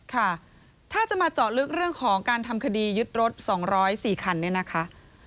ค่ะถ้าจะมาเจาะลึกเรื่องของการทำคดียึดรถ๒๐๔คันเนี่ยนะคะ